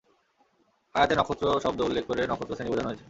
আয়াতে নক্ষত্র শব্দ উল্লেখ করে নক্ষত্র শ্রেণী বুঝানো হয়েছে।